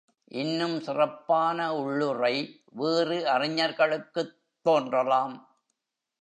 இன்னும் சிறப்பான உள்ளுறை வேறு அறிஞர்களுக்குத் தோன்றலாம்.